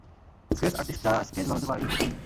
Sketch আর্টিস্টটা sketch বানাতে পারেনি ঠিকমতো।